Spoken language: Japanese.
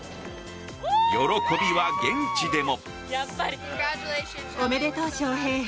喜びは現地でも。